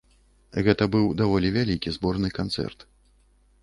Гэта быў даволі вялікі зборны канцэрт.